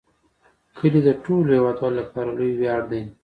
کلي د ټولو هیوادوالو لپاره لوی ویاړ دی.